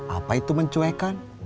apa itu mencuekan